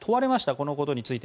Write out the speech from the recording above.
このことについて。